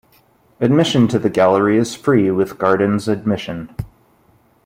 Admission to the gallery is free with gardens admission.